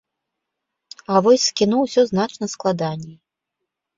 А вось з кіно ўсё значна складаней.